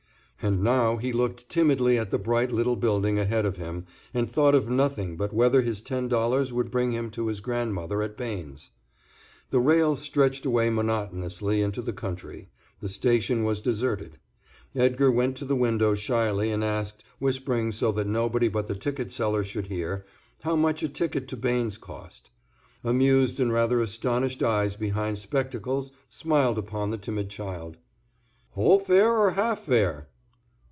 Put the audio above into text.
And now he looked timidly at the bright little building ahead of him and thought of nothing but whether his ten dollars would bring him to his grandmother at Bains. The rails stretched away monotonously into the country, the station was deserted. Edgar went to the window shyly and asked, whispering so that nobody but the ticket seller should hear, how much a ticket to Bains cost. Amused and rather astonished eyes behind spectacles smiled upon the timid child. "Whole fare or half fare?"